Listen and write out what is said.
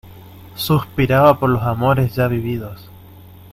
suspiraba por los amores ya vividos